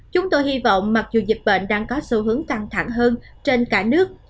chúng tôi hy vọng mặc dù dịch bệnh đang có xu hướng căng thẳng hơn trên cả nước